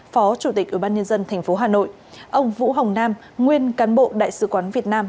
phó chủ tịch ủy ban nhân dân tp hà nội ông vũ hồng nam nguyên cán bộ đại sứ quán việt nam